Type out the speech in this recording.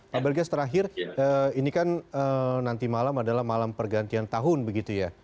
pak bergas terakhir ini kan nanti malam adalah malam pergantian tahun begitu ya